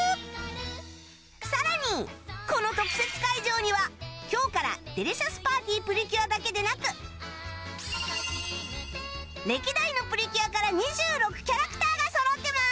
さらにこの特設会場には今日から『デリシャスパーティプリキュア』だけでなく歴代の『プリキュア』から２６キャラクターがそろってます